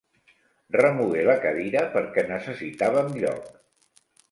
Remogué la cadira perquè necessitàvem lloc.